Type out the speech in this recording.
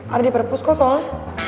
ada di purpose kok soalnya